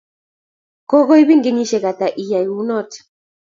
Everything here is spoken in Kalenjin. Kokoibin kenyisiek ata iyay kunatok?